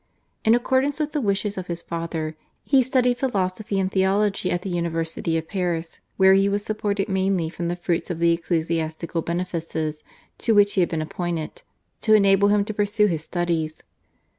In accordance with the wishes of his father he studied philosophy and theology at the University of Paris, where he was supported mainly from the fruits of the ecclesiastical benefices to which he had been appointed to enable him to pursue his studies.